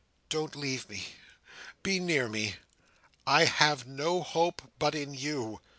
"Don't leave me! be near me! I have no hope but in you!"